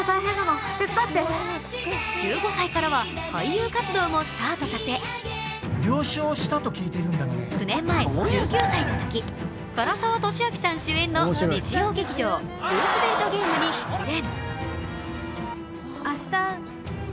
１５歳からは俳優活動もスタートさせ、９年前１９歳のとき、唐沢寿明さん主演の日曜劇場「ルーズヴェルト・ゲーム」に出演。